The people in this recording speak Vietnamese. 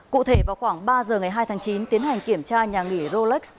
cụ thể vào khoảng ba giờ ngày hai tháng chín tiến hành kiểm tra nhà nghỉ rolex